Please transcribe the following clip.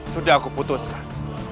sudah aku putuskan